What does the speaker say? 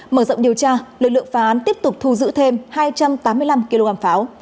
mở rộng điều tra lực lượng phá án tiếp tục thu giữ thêm hai trăm tám mươi năm kg pháo